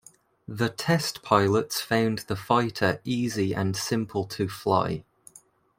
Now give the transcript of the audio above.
The test pilots found the fighter easy and simple to fly.